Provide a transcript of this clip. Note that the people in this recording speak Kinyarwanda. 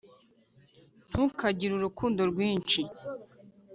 ntukagire urukundo rwinshi.